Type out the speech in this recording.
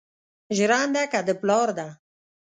ژرنده که د پلار ده